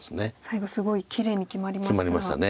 最後すごいきれいに決まりましたが。